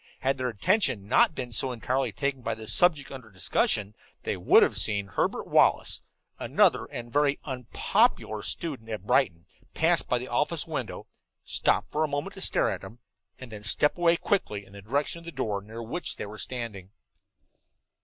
Had their attention not been so entirely taken by the subject under discussion they would have seen Herbert Wallace another and very unpopular student at Brighton pass by the office window, stop for a moment to stare at them, and then step away quickly in the direction of the door, near which they were standing.